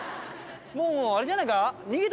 もうあれじゃないか？